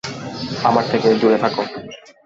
আমার থেকে দূরে থাকো!